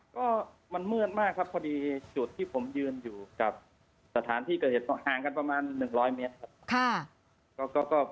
ก็มันมืดมากครับพอดีจุดที่ผมยืนอยู่กับสถานที่เกิดเหตุห่างกันประมาณ๑๐๐เมตรครับ